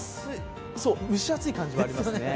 蒸し暑い感じはありますね。